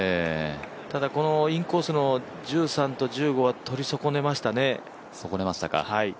ただこのインコースの１３と１５は取り損ねましたね。